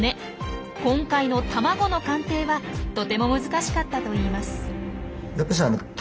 今回の卵の鑑定はとても難しかったといいます。